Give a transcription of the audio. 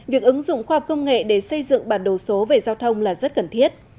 việc ứng dụng khoa học công nghệ để xây dựng bản đồ số về giao thông là rất cần thiết